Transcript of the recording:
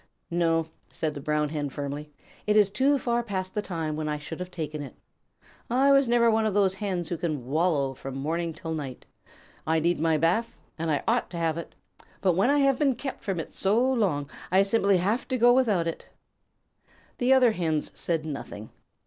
"No," said the Brown Hen, firmly, "it is too far past the time when I should have taken it. I was never one of those Hens who can wallow from morning until night. I need my bath and I ought to have it, but when I have been kept from it so long I simply have to go without it." The other Hens said nothing.